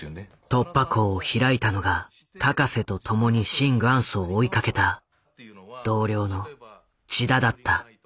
突破口を開いたのが高世と共にシン・グァンスを追いかけた同僚の千田だった。